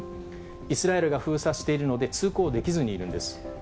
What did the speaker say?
イスラエルが封鎖しているので、通行できずにいるんです。